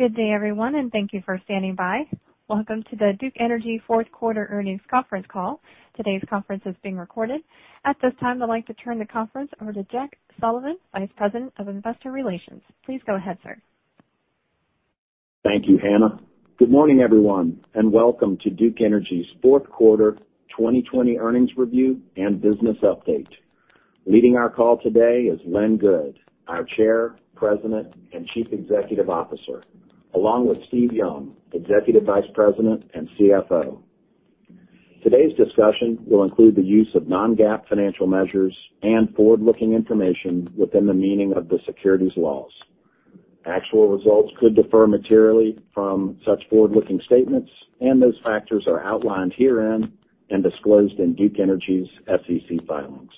Good day, everyone, and thank you for standing by. Welcome to the Duke Energy fourth quarter earnings conference call. Today's conference is being recorded. At this time, I'd like to turn the conference over to Jack Sullivan, Vice President of Investor Relations. Please go ahead, sir. Thank you, Hannah. Good morning, everyone, and welcome to Duke Energy's fourth quarter 2020 earnings review and business update. Leading our call today is Lynn Good, our Chair, President, and Chief Executive Officer, along with Steve Young, Executive Vice President and CFO. Today's discussion will include the use of non-GAAP financial measures and forward-looking information within the meaning of the securities laws. Actual results could differ materially from such forward-looking statements, and those factors are outlined herein and disclosed in Duke Energy's SEC filings.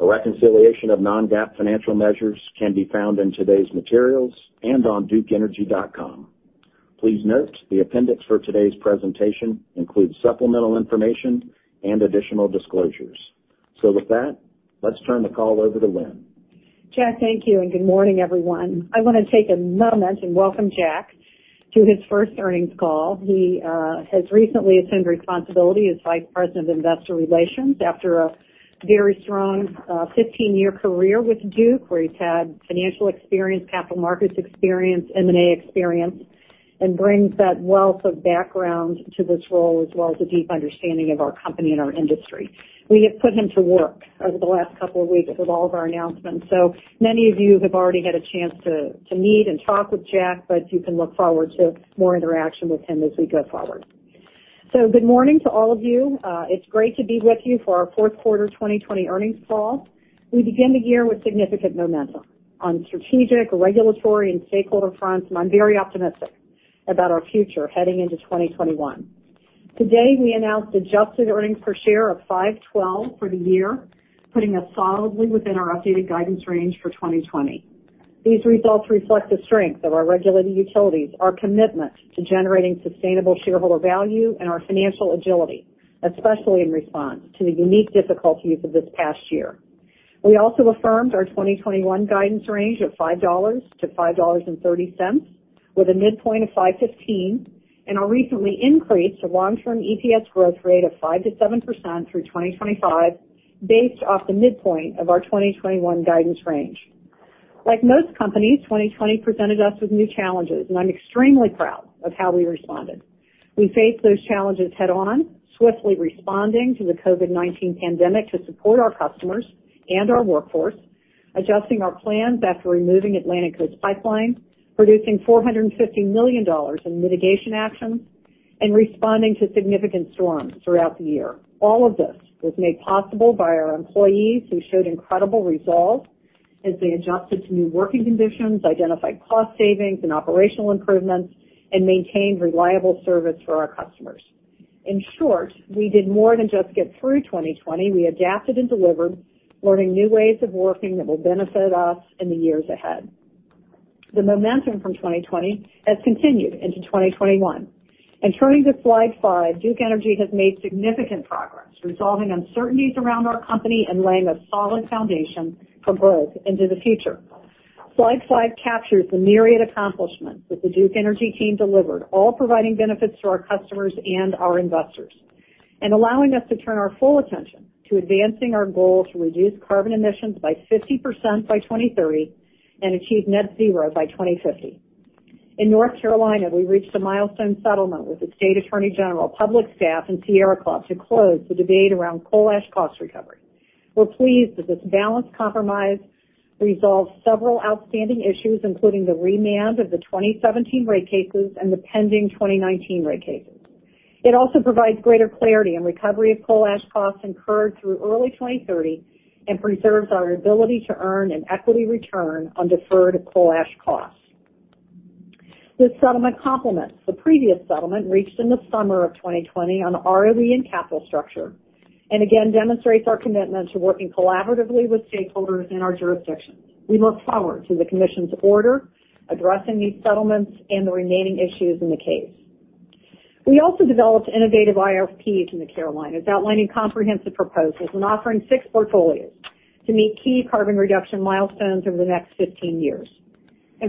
A reconciliation of non-GAAP financial measures can be found in today's materials and on duke-energy.com. Please note the appendix for today's presentation includes supplemental information and additional disclosures. With that, let's turn the call over to Lynn. Jack, thank you. Good morning, everyone. I want to take a moment and welcome Jack to his first earnings call. He has recently assumed responsibility as Vice President of Investor Relations after a very strong 15-year career with Duke, where he's had financial experience, capital markets experience, M&A experience, and brings that wealth of background to this role, as well as a deep understanding of our company and our industry. We have put him to work over the last couple of weeks with all of our announcements. Many of you have already had a chance to meet and talk with Jack, but you can look forward to more interaction with him as we go forward. Good morning to all of you. It's great to be with you for our fourth quarter 2020 earnings call. We begin the year with significant momentum on strategic, regulatory, and stakeholder fronts, and I'm very optimistic about our future heading into 2021. Today, we announced adjusted earnings per share of $5.12 for the year, putting us solidly within our updated guidance range for 2020. These results reflect the strength of our regulated utilities, our commitment to generating sustainable shareholder value, and our financial agility, especially in response to the unique difficulties of this past year. We also affirmed our 2021 guidance range of $5-$5.30 with a midpoint of $5.15, and our recently increased long-term EPS growth rate of 5%-7% through 2025 based off the midpoint of our 2021 guidance range. Like most companies, 2020 presented us with new challenges, and I'm extremely proud of how we responded. We faced those challenges head-on, swiftly responding to the COVID-19 pandemic to support our customers and our workforce, adjusting our plans after removing Atlantic Coast Pipeline, producing $450 million in mitigation actions, and responding to significant storms throughout the year. All of this was made possible by our employees, who showed incredible resolve as they adjusted to new working conditions, identified cost savings and operational improvements, and maintained reliable service for our customers. In short, we did more than just get through 2020. We adapted and delivered, learning new ways of working that will benefit us in the years ahead. The momentum from 2020 has continued into 2021. Turning to slide five, Duke Energy has made significant progress resolving uncertainties around our company and laying a solid foundation for growth into the future. Slide five captures the myriad accomplishments that the Duke Energy team delivered, all providing benefits to our customers and our investors and allowing us to turn our full attention to advancing our goal to reduce carbon emissions by 50% by 2030 and achieve net zero by 2050. In North Carolina, we reached a milestone settlement with the State Attorney General, public staff, and Sierra Club to close the debate around coal ash cost recovery. We're pleased that this balanced compromise resolved several outstanding issues, including the remand of the 2017 rate cases and the pending 2019 rate cases. It also provides greater clarity on recovery of coal ash costs incurred through early 2030 and preserves our ability to earn an equity return on deferred coal ash costs. This settlement complements the previous settlement reached in the summer of 2020 on ROE and capital structure, again demonstrates our commitment to working collaboratively with stakeholders in our jurisdictions. We look forward to the commission's order addressing these settlements and the remaining issues in the case. We also developed innovative IRPs in the Carolinas, outlining comprehensive proposals and offering six portfolios to meet key carbon reduction milestones over the next 15 years.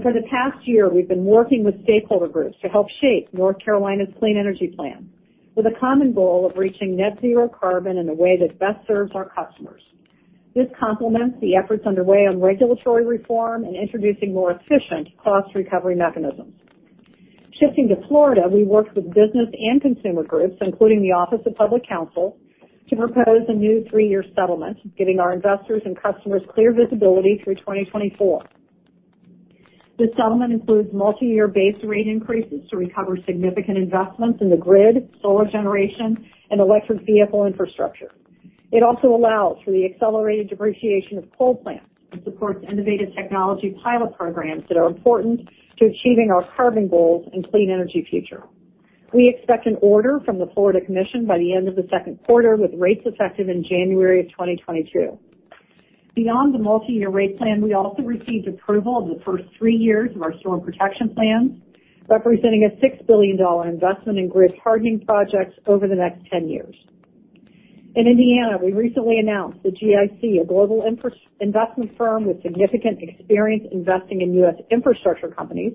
For the past year, we've been working with stakeholder groups to help shape North Carolina's Clean Energy Plan with a common goal of reaching net zero carbon in a way that best serves our customers. This complements the efforts underway on regulatory reform and introducing more efficient cost recovery mechanisms. Shifting to Florida, we worked with business and consumer groups, including the Office of Public Counsel, to propose a new three-year settlement, giving our investors and customers clear visibility through 2024. This settlement includes multi-year base rate increases to recover significant investments in the grid, solar generation, and electric vehicle infrastructure. It also allows for the accelerated depreciation of coal plants and supports innovative technology pilot programs that are important to achieving our carbon goals and clean energy future. We expect an order from the Florida Commission by the end of the second quarter, with rates effective in January 2022. Beyond the multi-year rate plan, we also received approval of the first three years of our Storm Protection Plan, representing a $6 billion investment in grid hardening projects over the next 10 years. In Indiana, we recently announced that GIC, a global investment firm with significant experience investing in U.S. infrastructure companies,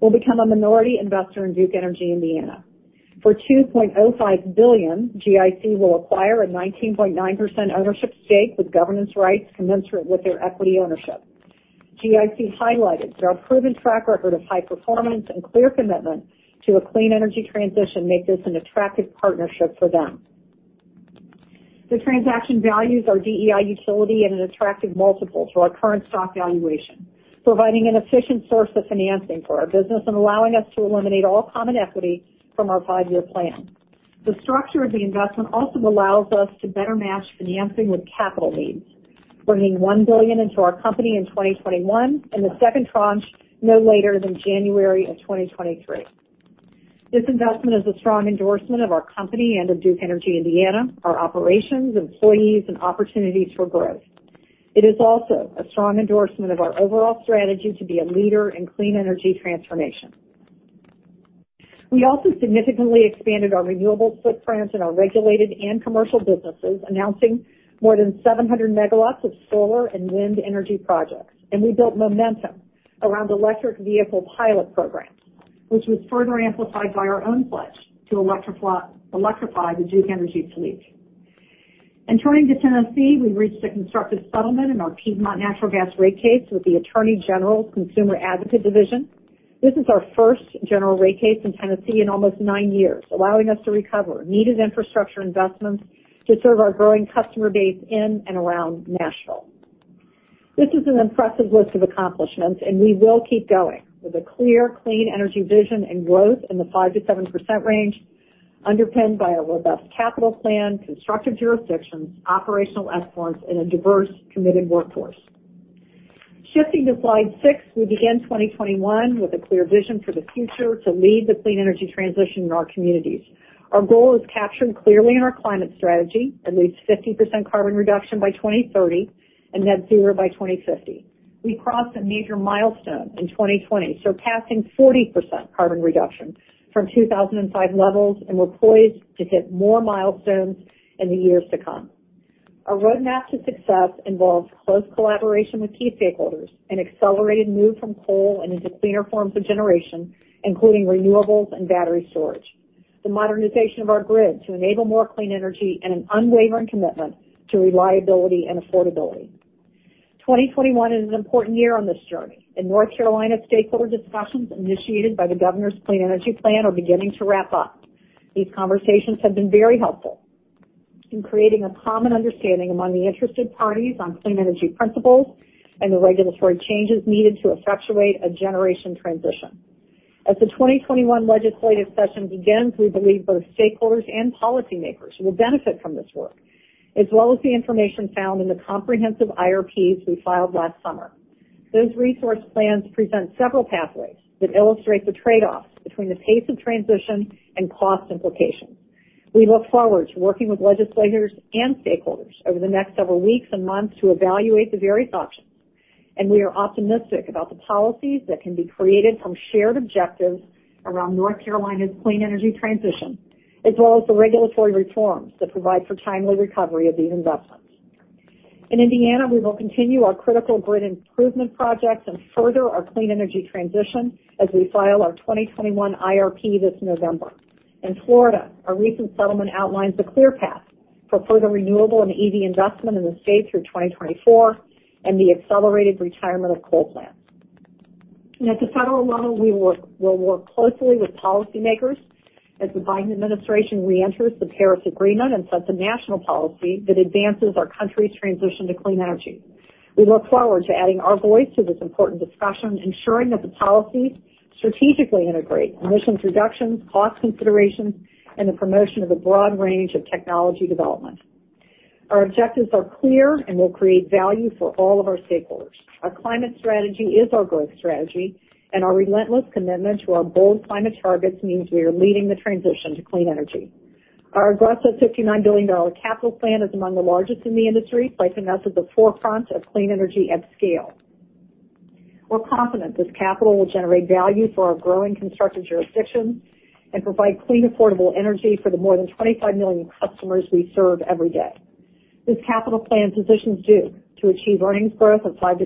will become a minority investor in Duke Energy Indiana. For $2.05 billion, GIC will acquire a 19.9% ownership stake with governance rights commensurate with their equity ownership. GIC highlighted their proven track record of high performance and clear commitment to a clean energy transition make this an attractive partnership for them. The transaction values our DEI utility at an attractive multiple to our current stock valuation, providing an efficient source of financing for our business and allowing us to eliminate all common equity from our five-year plan. The structure of the investment also allows us to better match financing with capital needs, bringing $1 billion into our company in 2021, and the second tranche no later than January of 2023. This investment is a strong endorsement of our company and of Duke Energy Indiana, our operations, employees, and opportunities for growth. It is also a strong endorsement of our overall strategy to be a leader in clean energy transformation. We also significantly expanded our renewable footprint in our regulated and commercial businesses, announcing more than 700 MW of solar and wind energy projects. We built momentum around electric vehicle pilot programs, which was further amplified by our own pledge to electrify the Duke Energy fleet. Turning to Tennessee, we reached a constructive settlement in our Piedmont Natural Gas rate case with the Attorney General's Consumer Advocate Division. This is our first general rate case in Tennessee in almost nine years, allowing us to recover needed infrastructure investments to serve our growing customer base in and around Nashville. This is an impressive list of accomplishments, and we will keep going with a clear, clean energy vision and growth in the 5%-7% range, underpinned by a robust capital plan, constructive jurisdictions, operational excellence, and a diverse, committed workforce. Shifting to slide six, we begin 2021 with a clear vision for the future to lead the clean energy transition in our communities. Our goal is captured clearly in our climate strategy: at least 50% carbon reduction by 2030 and net zero by 2050. We crossed a major milestone in 2020, surpassing 40% carbon reduction from 2005 levels, and we're poised to hit more milestones in the years to come. Our roadmap to success involves close collaboration with key stakeholders, an accelerated move from coal and into cleaner forms of generation, including renewables and battery storage. The modernization of our grid to enable more clean energy and an unwavering commitment to reliability and affordability. 2021 is an important year on this journey. In North Carolina, stakeholder discussions initiated by the governor's clean energy plan are beginning to wrap up. These conversations have been very helpful in creating a common understanding among the interested parties on clean energy principles and the regulatory changes needed to effectuate a generation transition. As the 2021 legislative session begins, we believe both stakeholders and policymakers will benefit from this work, as well as the information found in the comprehensive IRPs we filed last summer. Those resource plans present several pathways that illustrate the trade-offs between the pace of transition and cost implications. We look forward to working with legislators and stakeholders over the next several weeks and months to evaluate the various options, and we are optimistic about the policies that can be created from shared objectives around North Carolina's clean energy transition, as well as the regulatory reforms that provide for timely recovery of these investments. In Indiana, we will continue our critical grid improvement projects and further our clean energy transition as we file our 2021 IRP this November. In Florida, our recent settlement outlines a clear path for further renewable and EV investment in the state through 2024 and the accelerated retirement of coal plants. At the federal level, we'll work closely with policymakers as the Biden administration reenters the Paris Agreement and sets a national policy that advances our country's transition to clean energy. We look forward to adding our voice to this important discussion, ensuring that the policies strategically integrate emissions reductions, cost considerations, and the promotion of a broad range of technology development. Our objectives are clear and will create value for all of our stakeholders. Our climate strategy is our growth strategy, and our relentless commitment to our bold climate targets means we are leading the transition to clean energy. Our aggressive $59 billion capital plan is among the largest in the industry, placing us at the forefront of clean energy at scale. We're confident this capital will generate value for our growing constructive jurisdictions and provide clean, affordable energy for the more than 25 million customers we serve every day. This capital plan positions Duke to achieve earnings growth of 5%-7%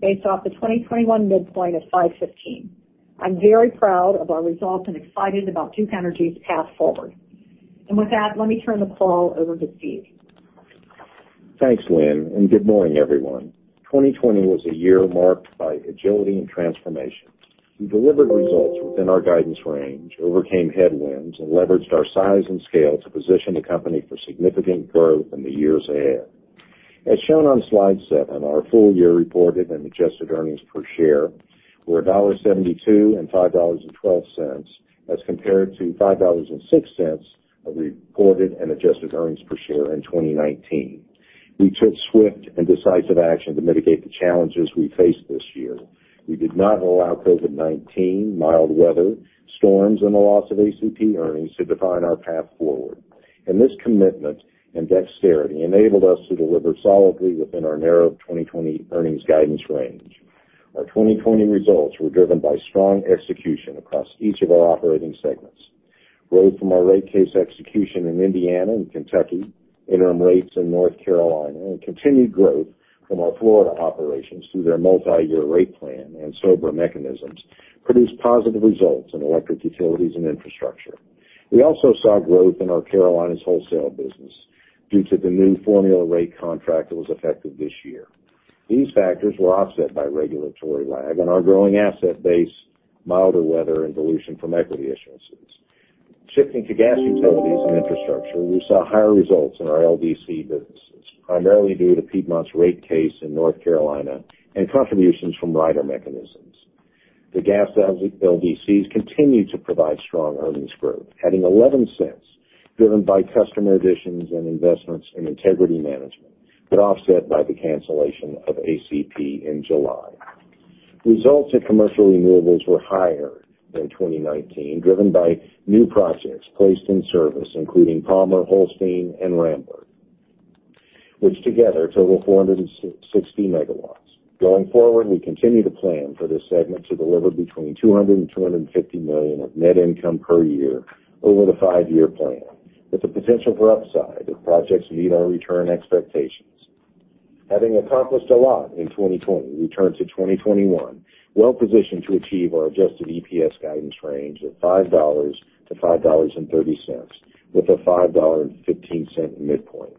based off the 2021 midpoint of $5.15. I'm very proud of our results and excited about Duke Energy's path forward. With that, let me turn the call over to Steve. Thanks, Lynn, and good morning, everyone. 2020 was a year marked by agility and transformation. We delivered results within our guidance range, overcame headwinds, and leveraged our size and scale to position the company for significant growth in the years ahead. As shown on slide seven, our full year reported and adjusted earnings per share were $1.72 and $5.12 as compared to $5.06 of reported and adjusted earnings per share in 2019. We took swift and decisive action to mitigate the challenges we faced this year. We did not allow COVID-19, mild weather, storms, and the loss of ACP earnings to define our path forward. This commitment and dexterity enabled us to deliver solidly within our narrow 2020 earnings guidance range. Our 2020 results were driven by strong execution across each of our operating segments. Growth from our rate case execution in Indiana and Kentucky, interim rates in North Carolina, and continued growth from our Florida operations through their multi-year rate plan and SoBRA mechanisms produced positive results in electric utilities and infrastructure. We also saw growth in our Carolinas wholesale business due to the new formula rate contract that was effective this year. These factors were offset by regulatory lag on our growing asset base, milder weather, and dilution from equity issuances. Shifting to gas utilities and infrastructure, we saw higher results in our LDC businesses, primarily due to Piedmont's rate case in North Carolina and contributions from rider mechanisms. The gas LDCs continued to provide strong earnings growth, adding $0.11, driven by customer additions and investments in integrity management, but offset by the cancellation of ACP in July. Results at commercial renewables were higher than 2019, driven by new projects placed in service, including Palmer, Holstein, and Rambler, which together total 460 MW. Going forward, we continue to plan for this segment to deliver between $200 million and $250 million of net income per year over the five-year plan, with the potential for upside if projects meet our return expectations. Having accomplished a lot in 2020, we turn to 2021 well-positioned to achieve our adjusted EPS guidance range of $5-$5.30, with a $5.15 midpoint.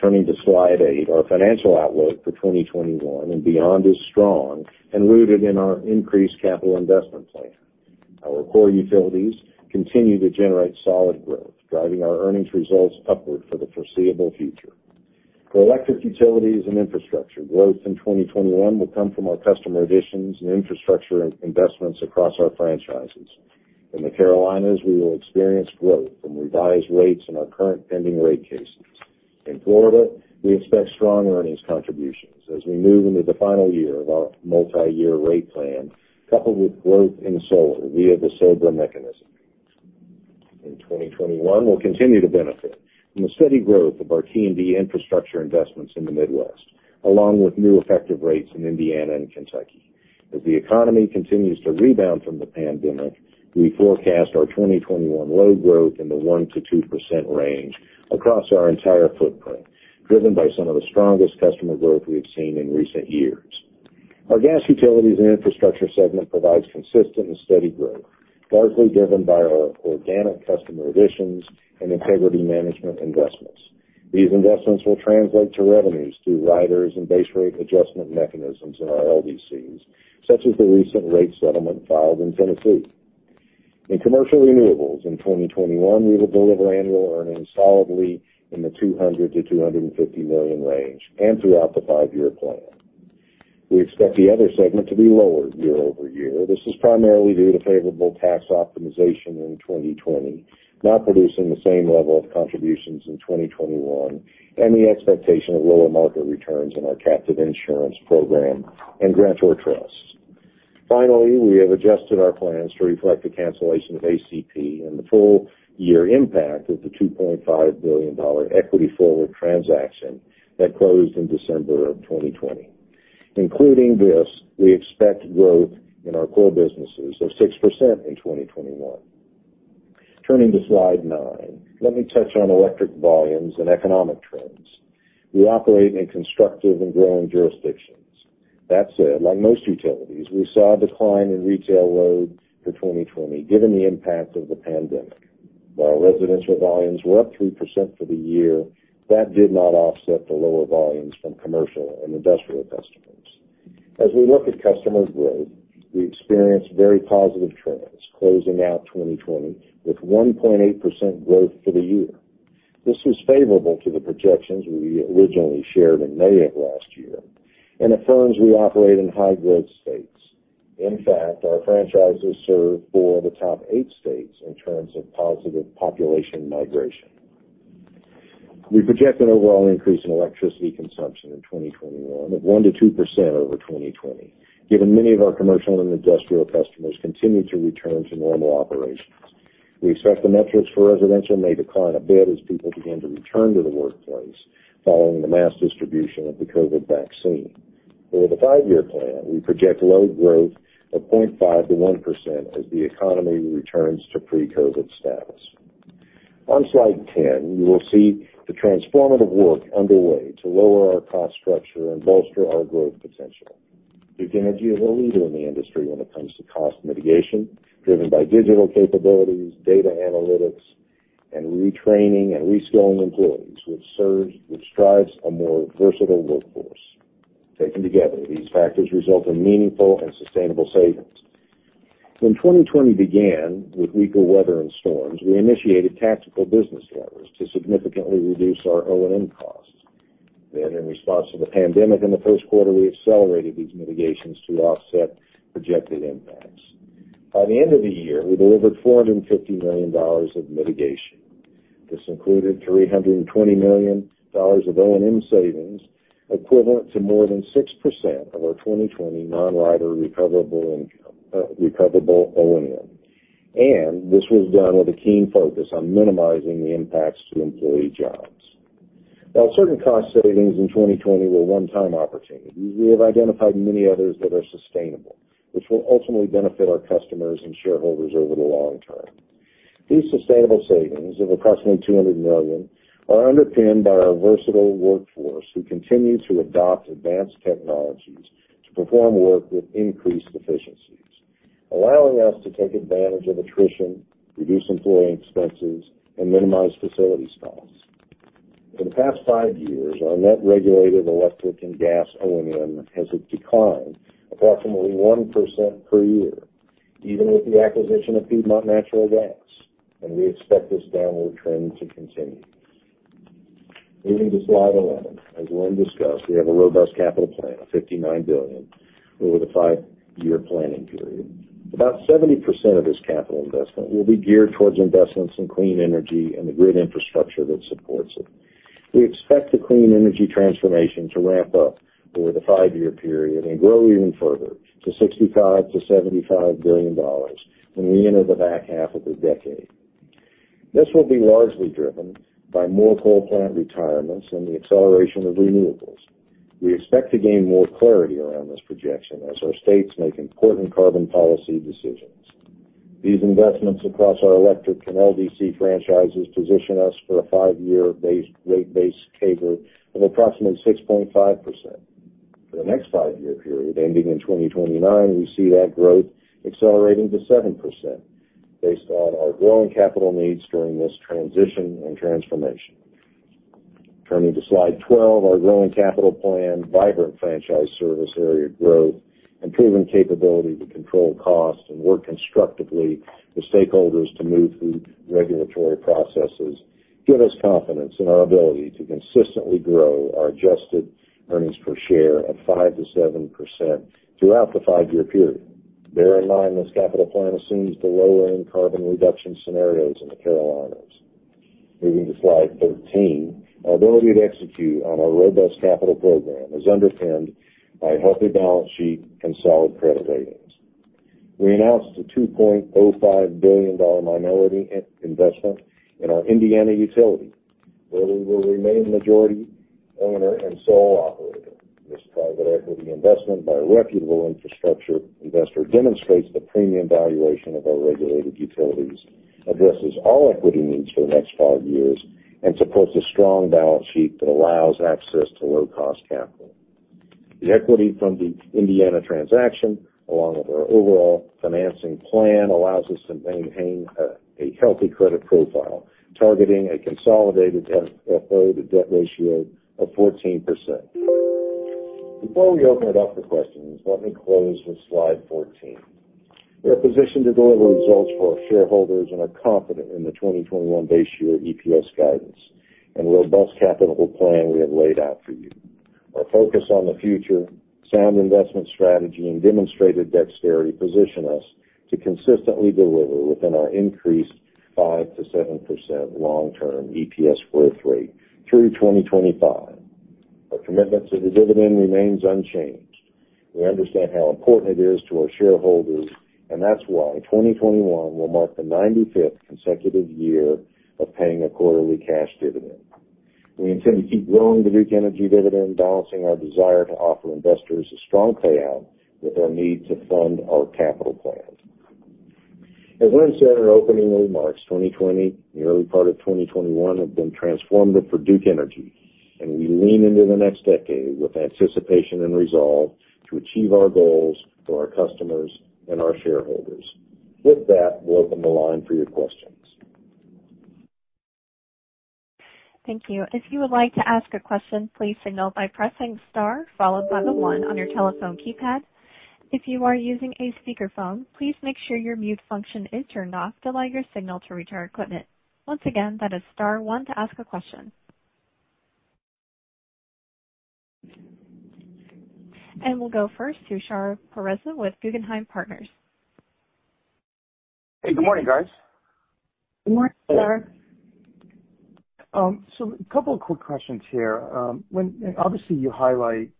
Turning to slide eight, our financial outlook for 2021 and beyond is strong and rooted in our increased capital investment plan. Our core utilities continue to generate solid growth, driving our earnings results upward for the foreseeable future. For electric utilities and infrastructure, growth in 2021 will come from our customer additions and infrastructure investments across our franchises. In the Carolinas, we will experience growth from revised rates in our current pending rate cases. In Florida, we expect strong earnings contributions as we move into the final year of our multi-year rate plan, coupled with growth in solar via the SoBRA mechanism. In 2021, we'll continue to benefit from the steady growth of our T&D infrastructure investments in the Midwest, along with new effective rates in Indiana and Kentucky. As the economy continues to rebound from the pandemic, we forecast our 2021 load growth in the 1%-2% range across our entire footprint, driven by some of the strongest customer growth we have seen in recent years. Our Gas Utilities and Infrastructure segment provides consistent and steady growth, largely driven by our organic customer additions and integrity management investments. These investments will translate to revenues through riders and base rate adjustment mechanisms in our LDCs, such as the recent rate settlement filed in Tennessee. In commercial renewables in 2021, we will deliver annual earnings solidly in the $200 million-$250 million range and throughout the five-year plan. We expect the other segment to be lower year-over-year. This is primarily due to favorable tax optimization in 2020, not producing the same level of contributions in 2021, and the expectation of lower market returns in our captive insurance program and grantor trust. Finally, we have adjusted our plans to reflect the cancellation of ACP and the full year impact of the $2.5 billion equity forward transaction that closed in December of 2020. Including this, we expect growth in our core businesses of 6% in 2021. Turning to slide nine, let me touch on electric volumes and economic trends. We operate in constructive and growing jurisdictions. That said, like most utilities, we saw a decline in retail load for 2020 given the impact of the pandemic. While residential volumes were up 3% for the year, that did not offset the lower volumes from commercial and industrial customers. As we look at customers growth, we experienced very positive trends, closing out 2020 with 1.8% growth for the year. This was favorable to the projections we originally shared in May of last year and affirms we operate in high-growth states. In fact, our franchises serve four of the top eight states in terms of positive population migration. We project an overall increase in electricity consumption in 2021 of 1%-2% over 2020, given many of our commercial and industrial customers continue to return to normal operations. We expect the metrics for residential may decline a bit as people begin to return to the workplace following the mass distribution of the COVID vaccine. Over the five-year plan, we project load growth of 0.5%-1% as the economy returns to pre-COVID status. On slide 10, you will see the transformative work underway to lower our cost structure and bolster our growth potential. Duke Energy is a leader in the industry when it comes to cost mitigation, driven by digital capabilities, data analytics, and retraining and reskilling employees, which drives a more versatile workforce. Taken together, these factors result in meaningful and sustainable savings. When 2020 began with weaker weather and storms, we initiated tactical business levers to significantly reduce our O&M costs. In response to the pandemic in the first quarter, we accelerated these mitigations to offset projected impacts. By the end of the year, we delivered $450 million of mitigation. This included $320 million of O&M savings, equivalent to more than 6% of our 2020 non-rider recoverable O&M. This was done with a keen focus on minimizing the impacts to employee jobs. While certain cost savings in 2020 were one-time opportunities, we have identified many others that are sustainable, which will ultimately benefit our customers and shareholders over the long term. These sustainable savings of approximately $200 million are underpinned by our versatile workforce, who continue to adopt advanced technologies to perform work with increased efficiencies, allowing us to take advantage of attrition, reduce employee expenses, and minimize facilities costs. For the past five years, our net regulated electric and gas O&M has declined approximately 1% per year, even with the acquisition of Piedmont Natural Gas, and we expect this downward trend to continue. Moving to slide 11. As Lynn discussed, we have a robust capital plan of $59 billion over the five-year planning period. About 70% of this capital investment will be geared towards investments in clean energy and the grid infrastructure that supports it. We expect the clean energy transformation to ramp up over the five-year period and grow even further to $65 billion-$75 billion when we enter the back half of the decade. This will be largely driven by more coal plant retirements and the acceleration of renewables. We expect to gain more clarity around this projection as our states make important carbon policy decisions. These investments across our electric and LDC franchises position us for a five-year rate base CAGR of approximately 6.5%. For the next five-year period, ending in 2029, we see that growth accelerating to 7%, based on our growing capital needs during this transition and transformation. Turning to slide 12. Our growing capital plan, vibrant franchise service area growth, and proven capability to control costs and work constructively with stakeholders to move through regulatory processes give us confidence in our ability to consistently grow our adjusted earnings per share of 5%-7% throughout the five-year period. Bear in mind, this capital plan assumes the lower-end carbon reduction scenarios in the Carolinas. Moving to slide 13. Our ability to execute on our robust capital program is underpinned by a healthy balance sheet and solid credit ratings. We announced a $2.05 billion minority investment in our Indiana utility, where we will remain majority owner and sole operator. This private equity investment by a reputable infrastructure investor demonstrates the premium valuation of our regulated utilities, addresses all equity needs for the next five years, and supports a strong balance sheet that allows access to low-cost capital. The equity from the Indiana transaction, along with our overall financing plan, allows us to maintain a healthy credit profile, targeting a consolidated FFO to debt ratio of 14%. Before we open it up for questions, let me close with slide 14. We are positioned to deliver results for our shareholders and are confident in the 2021 base year EPS guidance and robust capital plan we have laid out for you. Our focus on the future, sound investment strategy, and demonstrated dexterity position us to consistently deliver within our increased 5%-7% long-term EPS growth rate through 2025. Our commitment to the dividend remains unchanged. We understand how important it is to our shareholders, and that's why 2021 will mark the 95th consecutive year of paying a quarterly cash dividend. We intend to keep growing the Duke Energy dividend, balancing our desire to offer investors a strong payout with our need to fund our capital plans. As Lynn said in her opening remarks, 2020 and the early part of 2021 have been transformative for Duke Energy, and we lean into the next decade with anticipation and resolve to achieve our goals for our customers and our shareholders. With that, we'll open the line for your questions. Thank you. If you would like to ask a question, please signal by pressing star followed by the one on your telephone keypad. If you are using a speakerphone, please make sure your mute function is turned off to allow your signal to reach our equipment. Once again, that is star one to ask a question. We'll go first to Shar Pourreza with Guggenheim Partners. Hey, good morning, guys. Good morning, Shar. A couple of quick questions here. Obviously, you highlight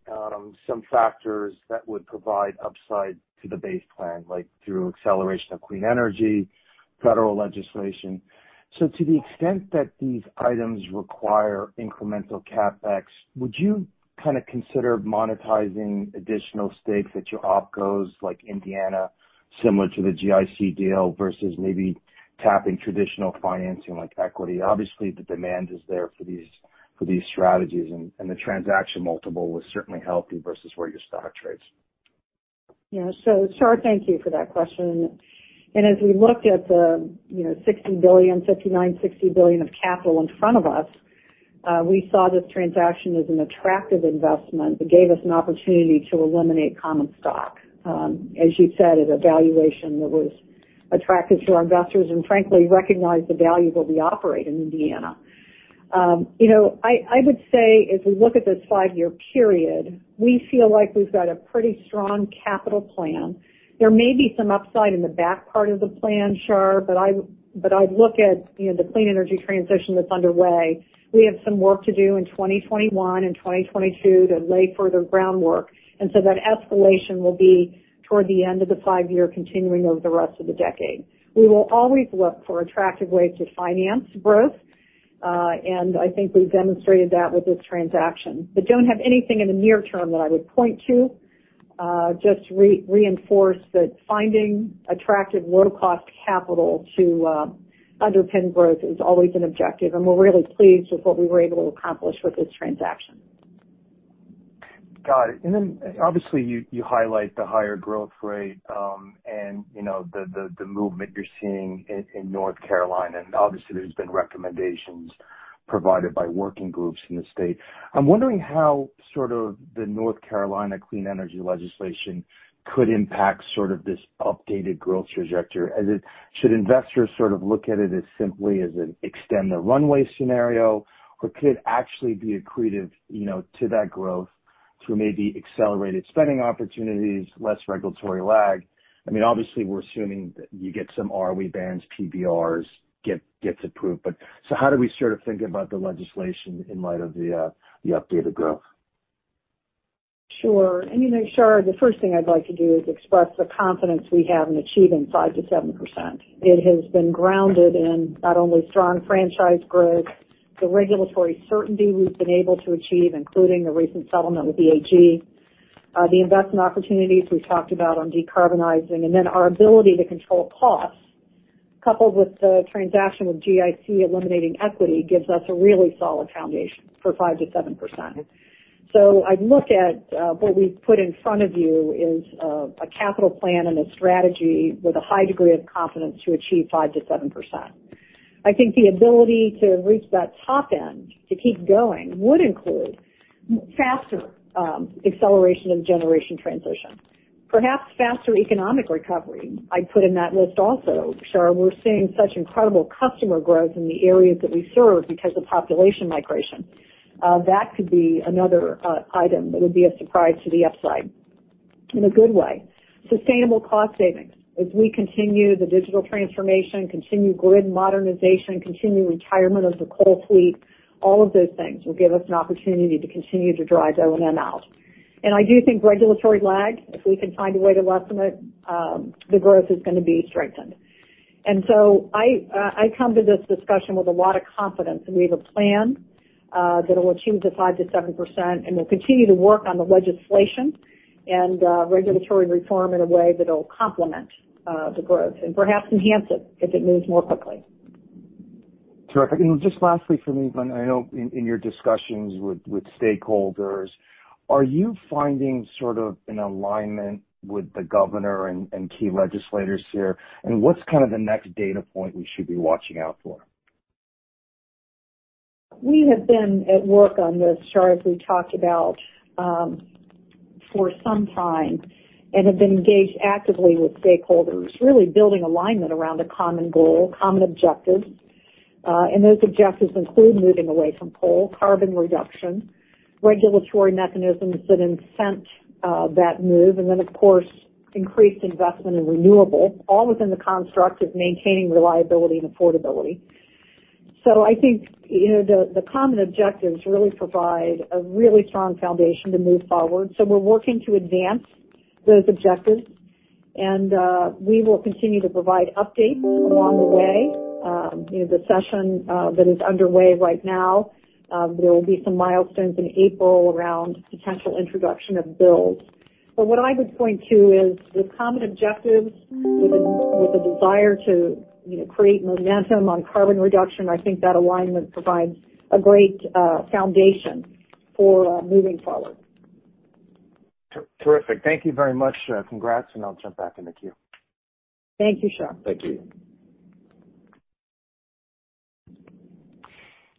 some factors that would provide upside to the base plan, like through acceleration of clean energy, federal legislation. To the extent that these items require incremental CapEx, would you kind of consider monetizing additional stakes at your opcos like Indiana, similar to the GIC deal, versus maybe tapping traditional financing like equity? Obviously, the demand is there for these strategies, and the transaction multiple was certainly healthy versus where your stock trades. Yeah. Shar, thank you for that question. As we looked at the $60 billion, $59 billion, $60 billion of capital in front of us, we saw this transaction as an attractive investment that gave us an opportunity to eliminate common stock, as you said, at a valuation that was attractive to our investors and frankly recognized the value where we operate in Indiana. I would say if we look at this five-year period, we feel like we've got a pretty strong capital plan. There may be some upside in the back part of the plan, Shar, but I look at the clean energy transition that's underway. We have some work to do in 2021 and 2022 to lay further groundwork, and so that escalation will be toward the end of the five-year continuing over the rest of the decade. We will always look for attractive ways to finance growth. I think we've demonstrated that with this transaction. Don't have anything in the near term that I would point to. Just reinforce that finding attractive low-cost capital to underpin growth is always an objective, and we're really pleased with what we were able to accomplish with this transaction. Got it. Obviously, you highlight the higher growth rate, and the movement you're seeing in North Carolina, and obviously there's been recommendations provided by working groups in the state. I'm wondering how the North Carolina clean energy legislation could impact this updated growth trajectory. Should investors look at it as simply as an extend the runway scenario, or could it actually be accretive to that growth through maybe accelerated spending opportunities, less regulatory lag? Obviously, we're assuming that you get some ROE bands, PBRs get approved. How do we think about the legislation in light of the updated growth? Sure. You know, Shar, the first thing I'd like to do is express the confidence we have in achieving 5%-7%. It has been grounded in not only strong franchise growth, the regulatory certainty we've been able to achieve, including the recent settlement with the AG, the investment opportunities we've talked about on decarbonizing, our ability to control costs, coupled with the transaction with GIC eliminating equity gives us a really solid foundation for 5%-7%. I look at what we've put in front of you is a capital plan and a strategy with a high degree of confidence to achieve 5%-7%. I think the ability to reach that top end, to keep going, would include faster acceleration of generation transition. Perhaps faster economic recovery I'd put in that list also. Shar, we're seeing such incredible customer growth in the areas that we serve because of population migration. That could be another item that would be a surprise to the upside in a good way. Sustainable cost savings. As we continue the digital transformation, continue grid modernization, continue retirement of the coal fleet, all of those things will give us an opportunity to continue to drive O&M out. I do think regulatory lag, if we can find a way to lessen it, the growth is going to be strengthened. I come to this discussion with a lot of confidence that we have a plan that will achieve the 5%-7%, and we'll continue to work on the legislation and regulatory reform in a way that'll complement the growth and perhaps enhance it if it moves more quickly. Terrific. Just lastly from me, Lynn, I know in your discussions with stakeholders, are you finding sort of an alignment with the governor and key legislators here? What's the next data point we should be watching out for? We have been at work on this, Shar, as we talked about for some time, and have been engaged actively with stakeholders, really building alignment around a common goal, common objectives. Those objectives include moving away from coal, carbon reduction, regulatory mechanisms that incent that move, and then of course, increased investment in renewable, all within the construct of maintaining reliability and affordability. I think the common objectives really provide a really strong foundation to move forward. We're working to advance those objectives, and we will continue to provide updates along the way. The session that is underway right now, there will be some milestones in April around potential introduction of bills. What I would point to is the common objectives with a desire to create momentum on carbon reduction. I think that alignment provides a great foundation for moving forward. Terrific. Thank you very much. Congrats. I'll jump back in the queue. Thank you, Shar. Thank you.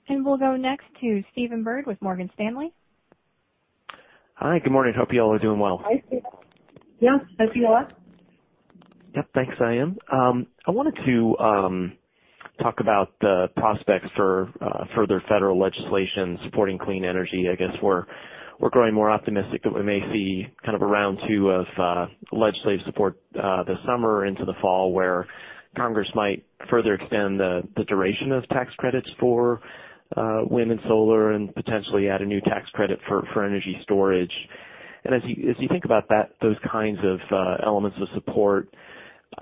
We'll go next to Stephen Byrd with Morgan Stanley. Hi, good morning. Hope you all are doing well. Hi, Stephen. Yeah, I see you are. Yep. Thanks. I wanted to talk about the prospects for further federal legislation supporting clean energy. I guess we're growing more optimistic that we may see a round two of legislative support this summer into the fall, where Congress might further extend the duration of tax credits for wind and solar and potentially add a new tax credit for energy storage. As you think about those kinds of elements of support,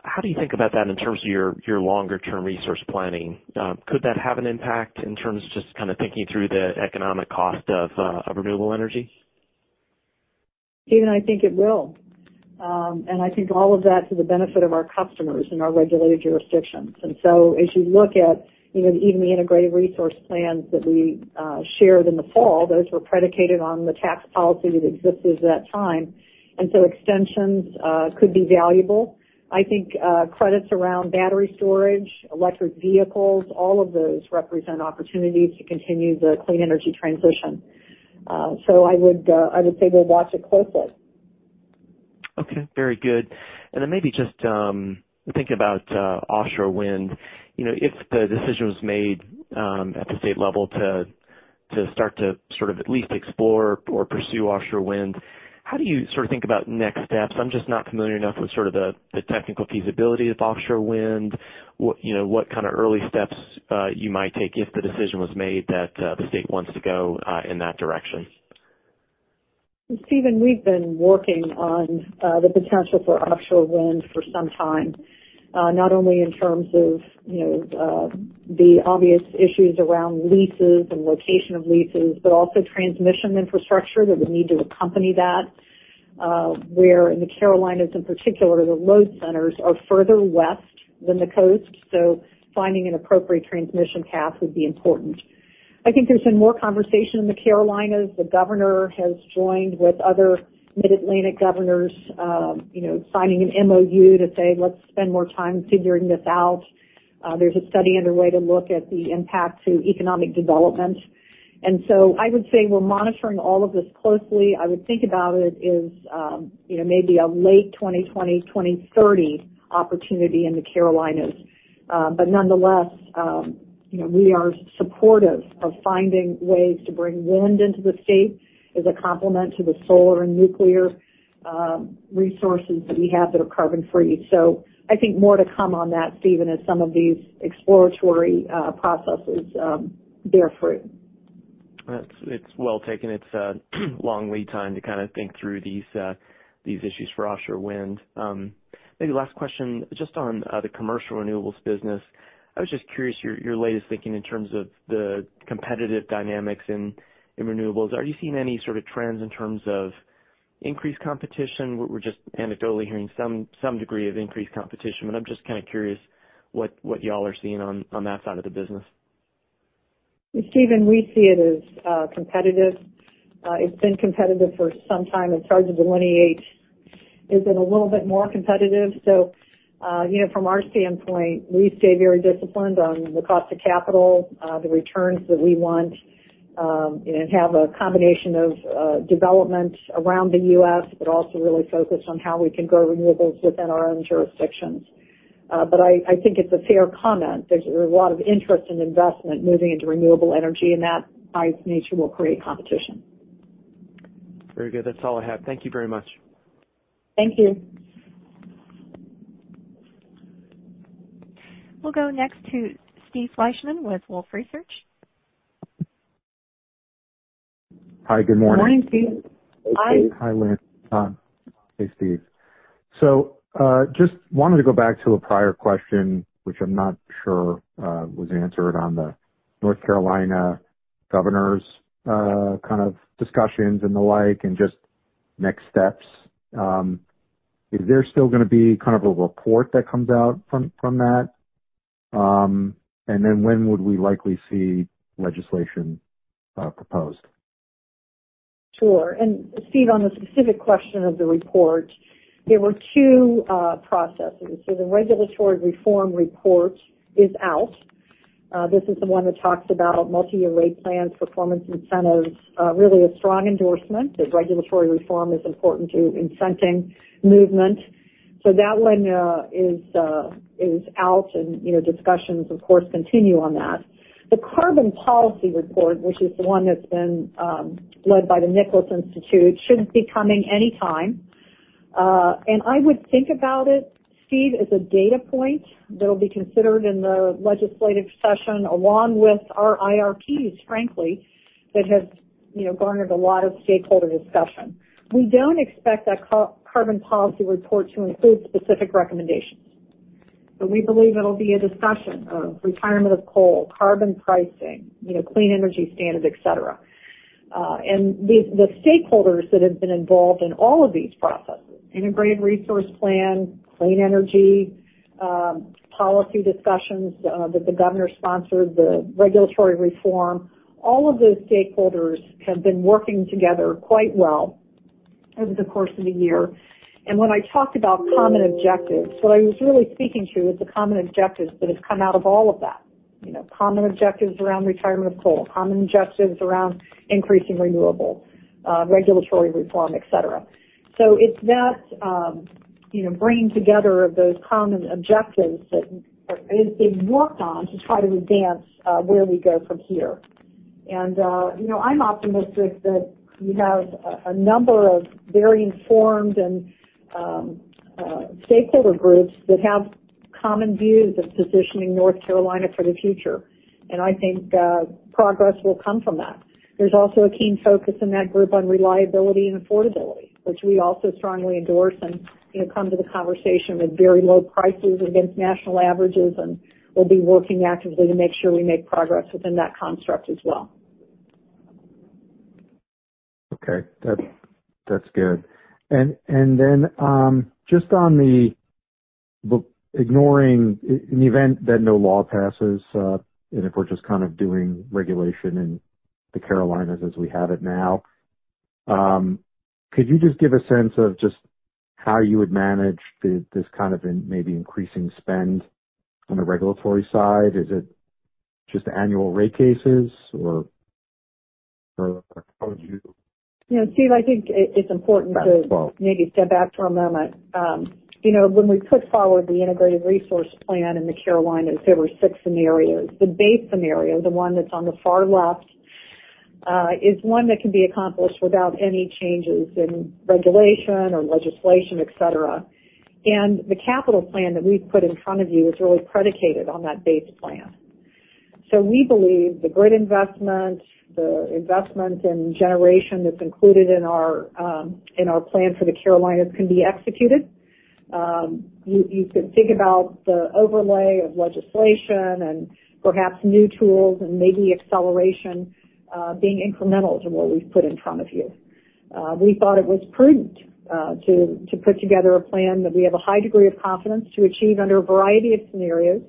how do you think about that in terms of your longer-term resource planning? Could that have an impact in terms of just thinking through the economic cost of renewable energy? Stephen, I think it will. I think all of that to the benefit of our customers in our regulated jurisdictions. As you look at even the Integrated Resource Plans that we shared in the fall, those were predicated on the tax policy that existed at that time. Extensions could be valuable. I think credits around battery storage, electric vehicles, all of those represent opportunities to continue the clean energy transition. I would say we'll watch it closely. Okay. Very good. Maybe just thinking about offshore wind. If the decision was made at the state level to start to at least explore or pursue offshore wind, how do you think about next steps? I'm just not familiar enough with the technical feasibility of offshore wind. What kind of early steps you might take if the decision was made that the state wants to go in that direction? Stephen, we've been working on the potential for offshore wind for some time. Not only in terms of the obvious issues around leases and location of leases, but also transmission infrastructure that would need to accompany that, where in the Carolinas in particular, the load centers are further west than the coast, so finding an appropriate transmission path would be important. I think there's been more conversation in the Carolinas. The governor has joined with other Mid-Atlantic governors, signing an MOU to say, "Let's spend more time figuring this out." There's a study underway to look at the impact to economic development. I would say we're monitoring all of this closely. I would think about it as maybe a late 2020, 2030 opportunity in the Carolinas. Nonetheless, we are supportive of finding ways to bring wind into the state as a complement to the solar and nuclear resources that we have that are carbon-free. I think more to come on that, Stephen, as some of these exploratory processes bear fruit. That's well taken. It's a long lead time to think through these issues for offshore wind. Maybe last question, just on the commercial renewables business. I was just curious, your latest thinking in terms of the competitive dynamics in renewables. Are you seeing any sort of trends in terms of increased competition? We're just anecdotally hearing some degree of increased competition, but I'm just curious what y'all are seeing on that side of the business. Stephen, we see it as competitive. It's been competitive for some time. It's hard of delineate, it's been a little bit more competitive. From our standpoint, we stay very disciplined on the cost of capital, the returns that we want, and have a combination of development around the U.S., but also really focused on how we can grow renewables within our own jurisdictions. I think it's a fair comment. There's a lot of interest and investment moving into renewable energy, and that by its nature will create competition. Very good. That's all I have. Thank you very much. Thank you. We'll go next to Steve Fleishman with Wolfe Research. Hi, good morning. Morning, Steve. Hi. Hi, Lynn. Hey, Steve. Just wanted to go back to a prior question, which I'm not sure was answered on the North Carolina governor's kind of discussions and the like, and just next steps. Is there still going to be a report that comes out from that? When would we likely see legislation proposed? Sure. Steve, on the specific question of the report, there were two processes. So the regulatory reform report is out. This is the one that talks about multi-year rate plans, performance incentives, really a strong endorsement that regulatory reform is important to incenting movement. So that one is out and discussions, of course, continue on that. The carbon policy report, which is the one that's been led by the Nicholas Institute, should be coming any time. I would think about it, Steve, as a data point that'll be considered in the legislative session along with our IRPs, frankly, that have garnered a lot of stakeholder discussion. We don't expect that carbon policy report to include specific recommendations. But we believe it'll be a discussion of retirement of coal, carbon pricing, clean energy standards, et cetera. The stakeholders that have been involved in all of these processes, Integrated Resource Plan, Clean Energy Policy Discussions that the governor sponsored, the regulatory reform, all of those stakeholders have been working together quite well over the course of the year. When I talked about common objectives, what I was really speaking to is the common objectives that have come out of all of that. Common objectives around retirement of coal, common objectives around increasing renewable, regulatory reform, et cetera. It's that bringing together of those common objectives that is being worked on to try to advance where we go from here. I'm optimistic that you have a number of very informed stakeholder groups that have common views of positioning North Carolina for the future. I think progress will come from that. There's also a keen focus in that group on reliability and affordability, which we also strongly endorse and come to the conversation with very low prices against national averages, and we'll be working actively to make sure we make progress within that construct as well. Okay. That's good. Just on the ignoring, in event that no law passes, and if we're just doing regulation in the Carolinas as we have it now, could you just give a sense of just how you would manage this kind of maybe increasing spend on the regulatory side? Is it just annual rate cases or how would you- Steve, I think it's important to maybe step back for a moment. When we put forward the Integrated Resource Plan in the Carolinas, there were six scenarios. The base scenario, the one that's on the far left, is one that can be accomplished without any changes in regulation or legislation, et cetera. The capital plan that we've put in front of you is really predicated on that base plan. We believe the grid investment, the investment in generation that's included in our plan for the Carolinas can be executed. You could think about the overlay of legislation and perhaps new tools and maybe acceleration being incremental to what we've put in front of you. We thought it was prudent to put together a plan that we have a high degree of confidence to achieve under a variety of scenarios.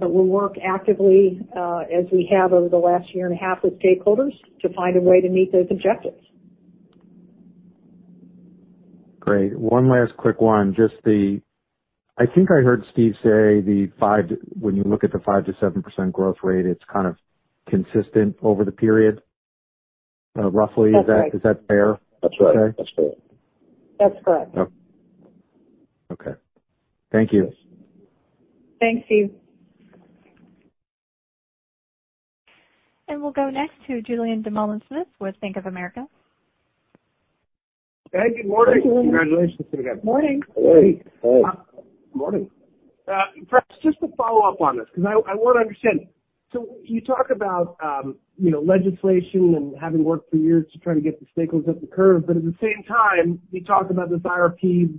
We'll work actively, as we have over the last year and a half with stakeholders, to find a way to meet those objectives. Great. One last quick one. I think I heard Steve say, when you look at the 5%-7% growth rate, it's kind of consistent over the period. Roughly, is that fair? That's right. That's correct. Okay. Thank you. Thanks, Steve. We'll go next to Julien Dumoulin-Smith with Bank of America. Hey, good morning. Congratulations again. Morning. Hey. Morning. Perhaps just to follow up on this, because I want to understand. You talk about legislation and having worked for years to try to get the stakeholders up the curve. At the same time, you talk about this IRP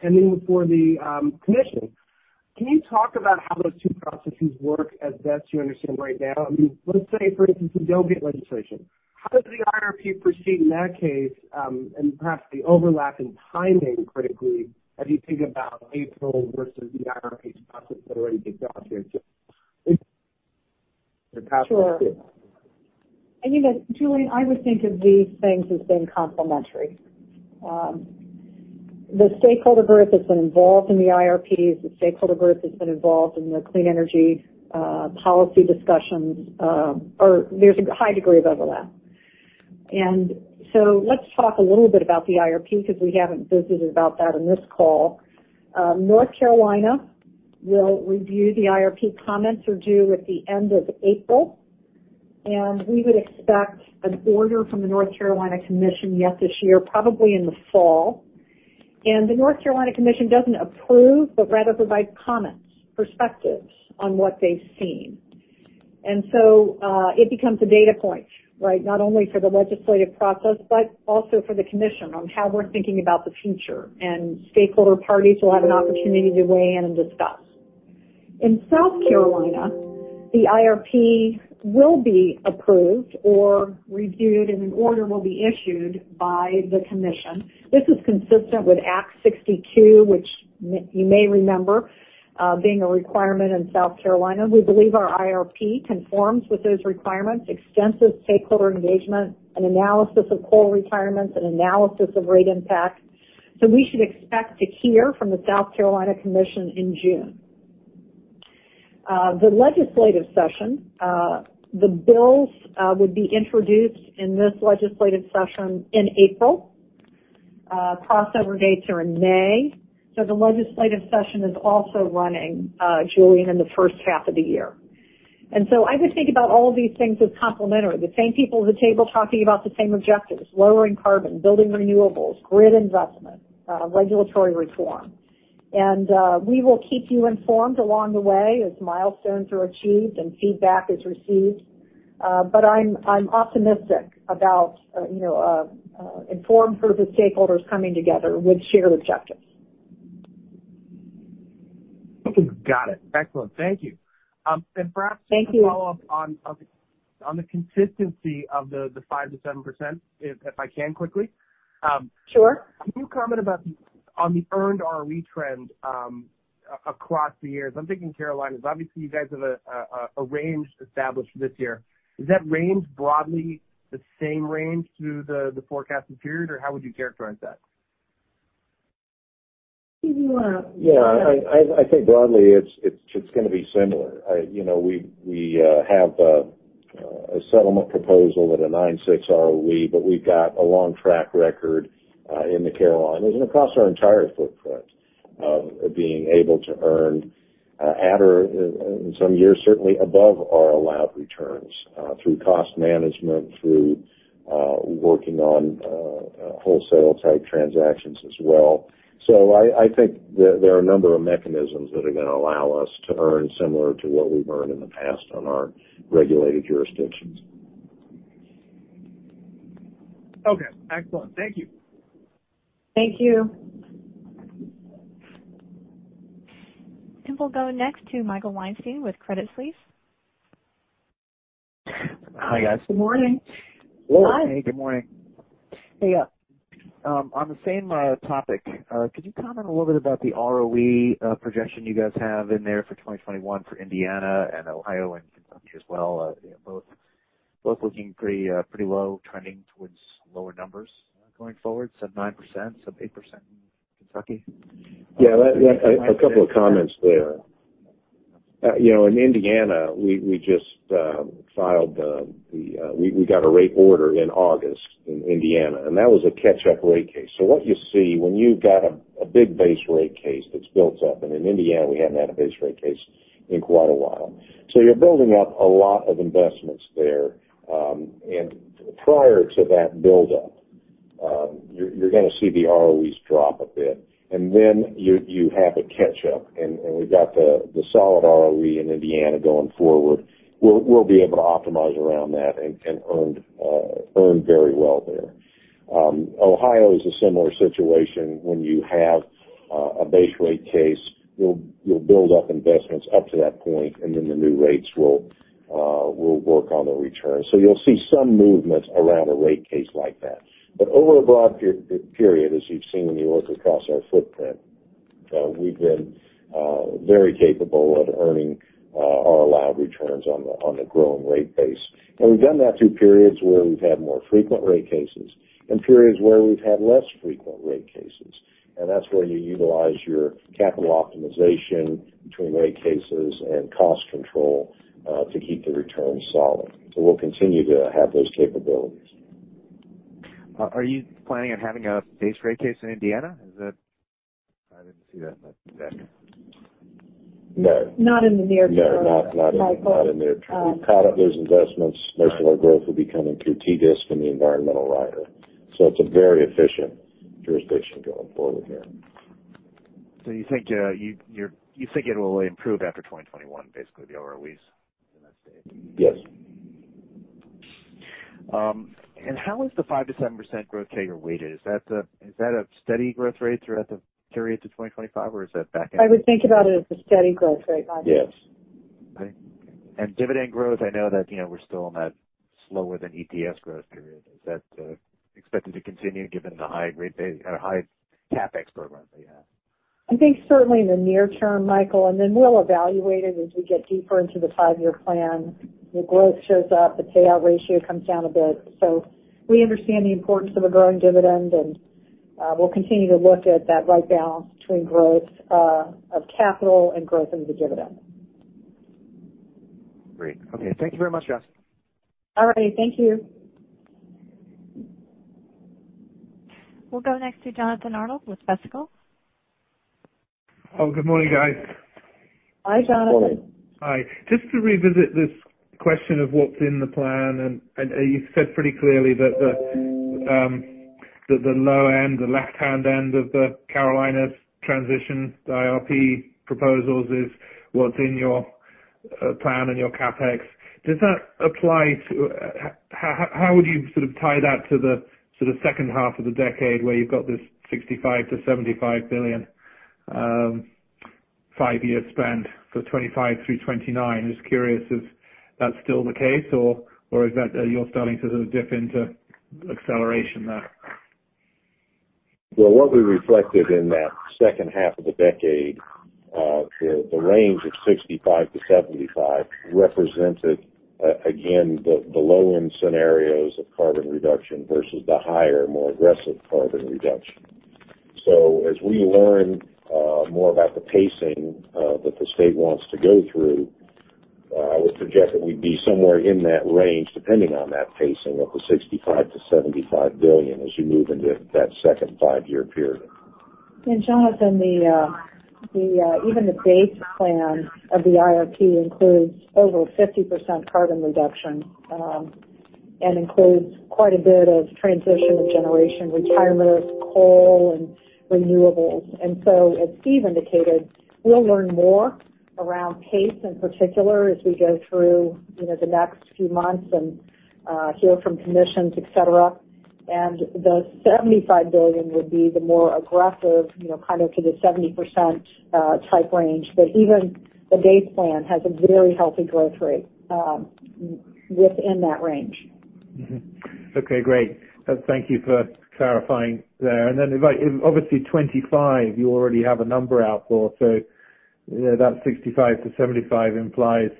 pending before the commission. Can you talk about how those two processes work as best you understand right now? Let's say, for instance, we don't get legislation. How does the IRP proceed in that case? Perhaps the overlap in timing, critically, as you think about April versus the IRP process that already exists out there, too. Sure. Julien, I would think of these things as being complementary. The stakeholder group that's been involved in the IRP is the stakeholder group that's been involved in the clean energy policy discussions. There's a high degree of overlap. Let's talk a little bit about the IRP, because we haven't visited about that in this call. North Carolina will review the IRP. Comments are due at the end of April, and we would expect an order from the North Carolina Commission yet this year, probably in the fall. The North Carolina Commission doesn't approve, but rather provides comments, perspectives on what they've seen. It becomes a data point, not only for the legislative process, but also for the Commission on how we're thinking about the future. Stakeholder parties will have an opportunity to weigh in and discuss. In South Carolina, the IRP will be approved or reviewed, and an order will be issued by the Commission. This is consistent with Act 62, which you may remember being a requirement in South Carolina. We believe our IRP conforms with those requirements, extensive stakeholder engagement, an analysis of coal requirements, an analysis of rate impact. We should expect to hear from the South Carolina Commission in June. The legislative session, the bills would be introduced in this legislative session in April. Crossover dates are in May. The legislative session is also running, Julien, in the first half of the year. I would think about all of these things as complementary. The same people at the table talking about the same objectives, lowering carbon, building renewables, grid investment, regulatory reform. We will keep you informed along the way as milestones are achieved and feedback is received. I'm optimistic about informed group of stakeholders coming together with shared objectives. Got it. Excellent. Thank you. Thank you. Just to follow up on the consistency of the 5%-7%, if I can quickly? Sure. Can you comment on the earned ROE trend across the years? I'm thinking Carolinas. Obviously, you guys have a range established for this year. Is that range broadly the same range through the forecasted period, or how would you characterize that? Steve, do you want to? Yeah, I think broadly it's going to be similar. We have a settlement proposal with a 9.6% ROE, but we've got a long track record in the Carolinas and across our entire footprint of being able to earn at or in some years, certainly above our allowed returns through cost management, through working on wholesale-type transactions as well. I think there are a number of mechanisms that are going to allow us to earn similar to what we've earned in the past on our regulated jurisdictions. Okay, excellent. Thank you. Thank you. We'll go next to Michael Weinstein with Credit Suisse. Hi, guys. Good morning. Hey, good morning. Hey, on the same topic, could you comment a little bit about the ROE projection you guys have in there for 2021 for Indiana and Ohio and Kentucky as well? Both looking pretty low, trending towards lower numbers going forward, sub 9%, sub 8% in Kentucky. Yeah, a couple of comments there. In Indiana, we got a rate order in August in Indiana. That was a catch-up rate case. What you see when you've got a big base rate case that's built up, and in Indiana, we haven't had a base rate case in quite a while. You're building up a lot of investments there. Prior to that buildup You're going to see the ROEs drop a bit. You have a catch-up, and we've got the solid ROE in Indiana going forward. We'll be able to optimize around that and earn very well there. Ohio is a similar situation. When you have a base rate case, you'll build up investments up to that point, and then the new rates will work on the return. You'll see some movements around a rate case like that. Over a broad period, as you've seen when you look across our footprint, we've been very capable of earning our allowed returns on the growing rate base. We've done that through periods where we've had more frequent rate cases and periods where we've had less frequent rate cases. That's where you utilize your capital optimization between rate cases and cost control, to keep the returns solid. We'll continue to have those capabilities. Are you planning on having a base rate case in Indiana? I didn't see that in the deck. No. Not in the near term, Michael. No, not in the near term. We've caught up those investments. Most of our growth will be coming through TDSIC and the environmental rider. It's a very efficient jurisdiction going forward there. You think it will improve after 2021, basically, the ROEs in that state? Yes. How is the 5%-7% growth payer weighted? Is that a steady growth rate throughout the period to 2025, or is that back end? I would think about it as a steady growth rate, Michael. Yes. Okay. dividend growth, I know that we're still in that slower-than-EPS growth period. Is that expected to continue given the high rate base or high CapEx program that you have? I think certainly in the near term, Michael, and then we'll evaluate it as we get deeper into the five-year plan. The growth shows up, the payout ratio comes down a bit. We understand the importance of a growing dividend, and we'll continue to look at that right balance between growth of capital and growth into dividend. Great. Okay. Thank you very much, guys. All righty. Thank you. We'll go next to Jonathan Arnold with Vertical. Good morning, guys. Hi, Jonathan. Good morning. Hi. Just to revisit this question of what's in the plan, you've said pretty clearly that the low end, the left-hand end of the Carolinas transition IRP proposals is what's in your plan and your CapEx. How would you sort of tie that to the sort of second half of the decade where you've got this $65 billion-$75 billion five-year spend for 2025 through 2029? Just curious if that's still the case or is that you're starting to sort of dip into acceleration there? Well, what we reflected in that second half of the decade, the range of $65 billion-$75 billion represented, again, the low-end scenarios of carbon reduction versus the higher, more aggressive carbon reduction. As we learn more about the pacing that the state wants to go through, I would project that we'd be somewhere in that range, depending on that pacing of the $65 billion-$75 billion as you move into that second five-year period. Jonathan, even the base plan of the IRP includes over 50% carbon reduction, and includes quite a bit of transition of generation, retirement of coal and renewables. As Steve indicated, we'll learn more around pace, in particular, as we go through the next few months and hear from commissions, et cetera. The $75 billion would be the more aggressive, kind of to the 70%, type range. Even the base plan has a very healthy growth rate within that range. Okay, great. Thank you for clarifying there. Obviously, 2025, you already have a number out for. That $65 billion-$75 billion implies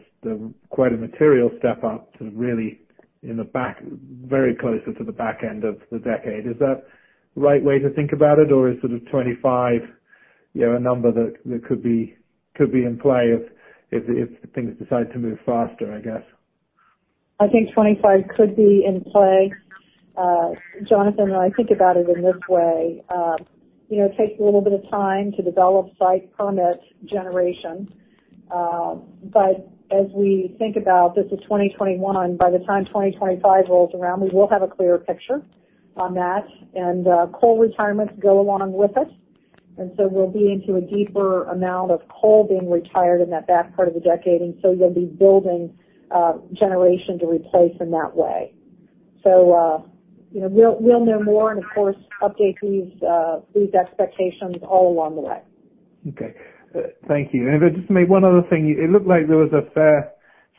quite a material step-up to really in the back, very closer to the back end of the decade. Is that the right way to think about it, or is sort of 2025 a number that could be in play if things decide to move faster, I guess? I think 2025 could be in play. Jonathan, I think about it in this way. It takes a little bit of time to develop site permit generations. As we think about this is 2021, by the time 2025 rolls around, we will have a clearer picture on that. Coal retirements go along with it. We'll be into a deeper amount of coal being retired in that back part of the decade, and so you'll be building generation to replace in that way. We'll know more and of course, update these expectations all along the way. Okay. Thank you. If I just may, one other thing. It looked like there was a fair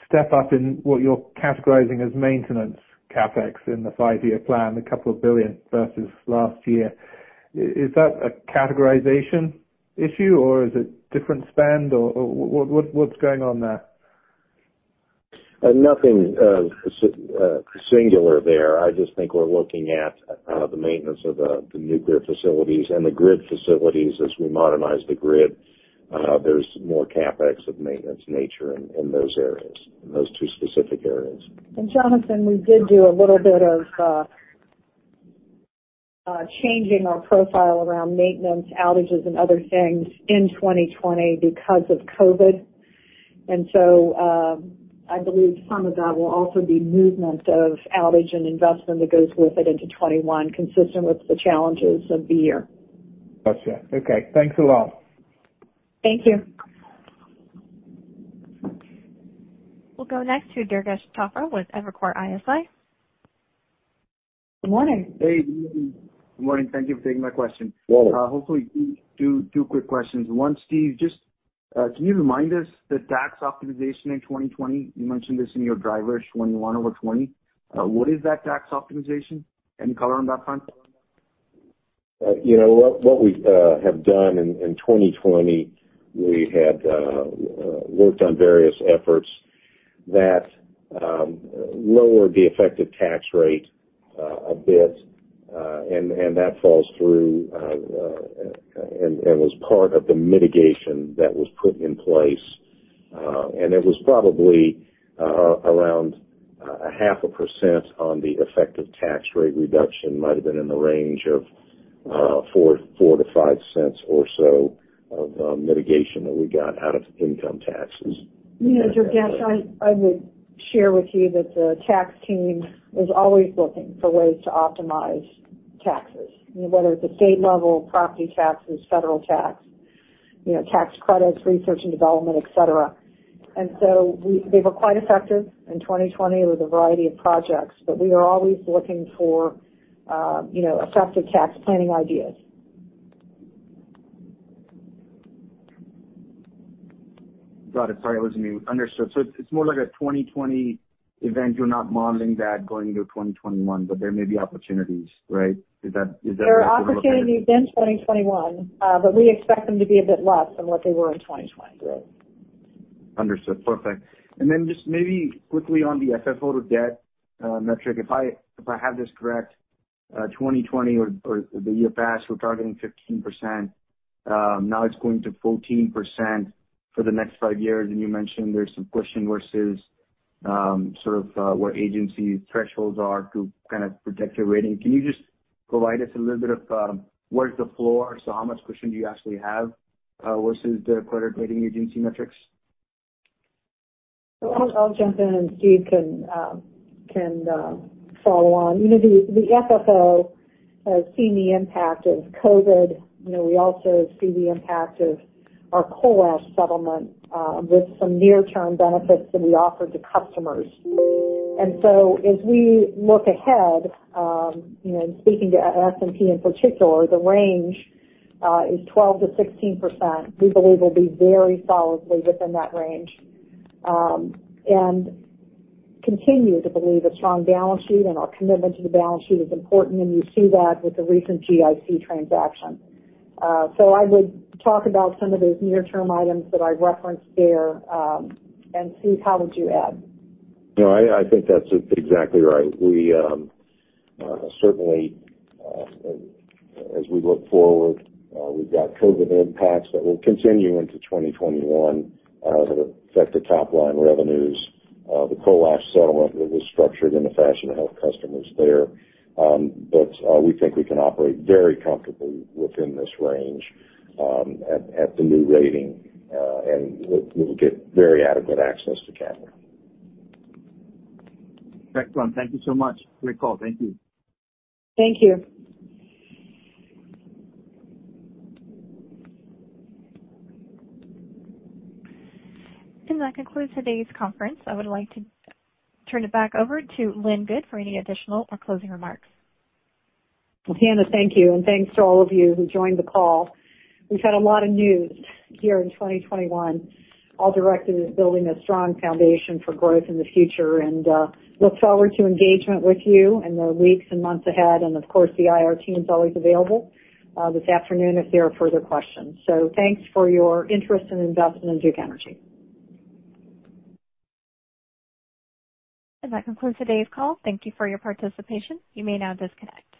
step-up in what you're categorizing as maintenance CapEx in the five-year plan, a couple of billion versus last year. Is that a categorization issue, or is it different spend, or what's going on there? Nothing singular there. I just think we're looking at the maintenance of the nuclear facilities and the grid facilities as we modernize the grid. There's more CapEx of maintenance nature in those areas, in those two specific areas. Jonathan, we did do a little bit of changing our profile around maintenance outages and other things in 2020 because of COVID. I believe some of that will also be movement of outage and investment that goes with it into 2021, consistent with the challenges of the year. Got you. Okay. Thanks a lot. Thank you. We'll go next to Durgesh Chopra with Evercore ISI. Good morning. Hey. Good morning. Thank you for taking my question. Good morning. Hopefully, two quick questions. One, Steve, just can you remind us the tax optimization in 2020? You mentioned this in your drivers 2021 over 2020. What is that tax optimization? Any color on that front? What we have done in 2020, we had worked on various efforts that lowered the effective tax rate a bit. That falls through, and was part of the mitigation that was put in place. It was probably around 0.5% on the effective tax rate reduction. Might've been in the range of $0.04-$0.05 or so of mitigation that we got out of income taxes. Yeah, Durgesh, I would share with you that the tax team is always looking for ways to optimize taxes, whether it's at state level, property taxes, federal tax credits, research and development, et cetera. They were quite effective in 2020 with a variety of projects. We are always looking for effective tax planning ideas. Got it. Sorry, I wasn't muted. Understood. It's more like a 2020 event. You're not modeling that going into 2021, but there may be opportunities, right? Is that a fair- There are opportunities in 2021, but we expect them to be a bit less than what they were in 2020. Understood. Perfect. Just maybe quickly on the FFO to debt metric. If I have this correct, 2020 or the year past, we're targeting 15%. Now it's going to 14% for the next five years, and you mentioned there's some cushion versus sort of where agency thresholds are to kind of protect your rating. Can you just provide us a little bit of where's the floor? How much cushion do you actually have versus the credit rating agency metrics? I'll jump in, and Steve can follow on. The FFO has seen the impact of COVID. We also see the impact of our coal ash settlement with some near-term benefits that we offered to customers. As we look ahead, and speaking to S&P in particular, the range is 12%-16%. We believe we'll be very solidly within that range. Continue to believe a strong balance sheet and our commitment to the balance sheet is important, and you see that with the recent GIC transaction. I would talk about some of those near-term items that I referenced there. Steve, how would you add? No, I think that's exactly right. Certainly, as we look forward, we've got COVID impacts that will continue into 2021 that affect the top-line revenues. The coal ash settlement that was structured in the fashion to help customers there. We think we can operate very comfortably within this range at the new rating, and we will get very adequate access to capital. Excellent. Thank you so much. Great call. Thank you. Thank you. That concludes today's conference. I would like to turn it back over to Lynn Good for any additional or closing remarks. Hannah, thank you. Thanks to all of you who joined the call. We've had a lot of news here in 2021, all directed at building a strong foundation for growth in the future, and look forward to engagement with you in the weeks and months ahead. Of course, the IR team is always available this afternoon if there are further questions. Thanks for your interest and investment in Duke Energy. That concludes today's call. Thank you for your participation. You may now disconnect.